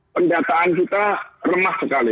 pendataan kita remah sekali